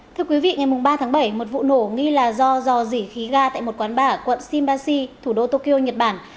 thưa quý vị ngày ba tháng bảy một vụ nổ nghi là do dò dỉ khí ga tại một quán ba ở quận simbashi thủ đô tokyo nhật bản